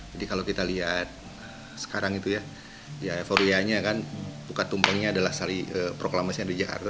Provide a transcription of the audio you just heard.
jadi kalau kita lihat sekarang itu ya ya euforianya kan bukan tumpangnya adalah sali proklamasi yang ada di jakarta